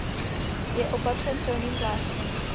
Je opatřen silným pláštěm.